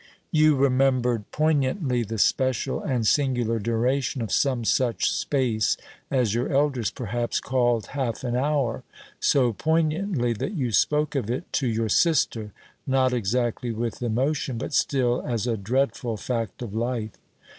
You remembered poignantly the special and singular duration of some such space as your elders, perhaps, called half an hour so poignantly that you spoke of it to your sister, not exactly with emotion, but still as a dreadful fact of life.